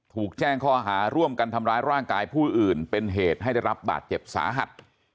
ถูกแจ้งข้อหาร่วมกันทำร้ายร่างกายผู้อื่นเป็นเหตุให้ได้รับบาดเจ็บสาหัส